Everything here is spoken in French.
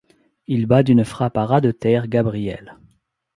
Il bat d'une frappe à ras-de-terre Gabriel.